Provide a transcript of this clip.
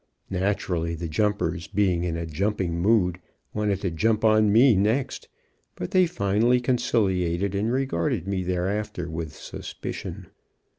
Naturally, the jumpers, being in a jumping mood, wanted to jump on me next, but they finally conciliated, and regarded me thereafter with suspicion.